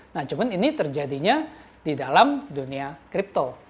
nah cuman ini terjadinya di dalam dunia crypto